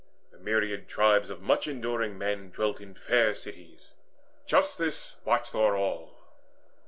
The myriad tribes of much enduring men Dwelt in fair cities. Justice watched o'er all.